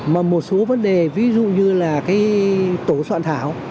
mà một số vấn đề ví dụ như là cái tổ soạn thảo